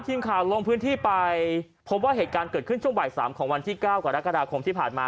ทีมข่าวลงพื้นที่ไปพบว่าเหตุการณ์เกิดขึ้นช่วงบ่าย๓ของวันที่๙กรกฎาคมที่ผ่านมา